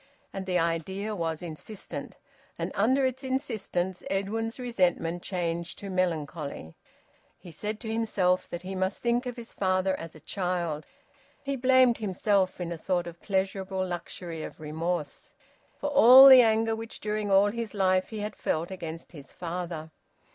And the idea was insistent, and under its insistence Edwin's resentment changed to melancholy. He said to himself that he must think of his father as a child. He blamed himself, in a sort of pleasurable luxury of remorse, for all the anger which during all his life he had felt against his father.